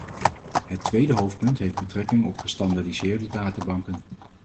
Het tweede hoofdpunt heeft betrekking op gestandaardiseerde databanken.